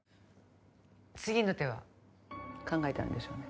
次の手は考えてあるんでしょうね？